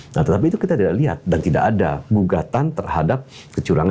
nah tetapi itu kita tidak lihat dan tidak ada gugatan terhadap kecurangan